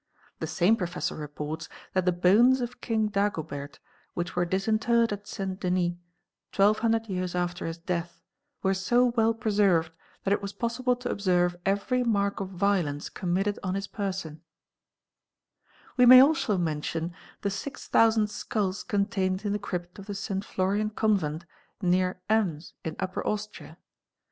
The same professot reports that the bones of King Dagobert which were disinterred St. Denis twelve hundred years after his death were so well preserved | that it was possible to observe every mark of violence committed on his person (182 183) _ We may also mention the six thousand skulls contained in the eryp of the St. Florian Convent near Ems in Upper Austria.